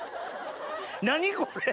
何これ！